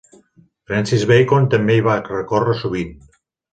Francis Bacon també hi va recórrer sovint.